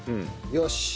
よし。